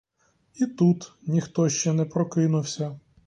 І тут ніхто ще не прокинувся.